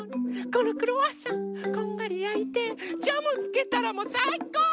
このクロワッサンこんがりやいてジャムつけたらもうさいこう！